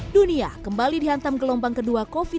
dunia kembali dihantam gelombang kedua covid sembilan belas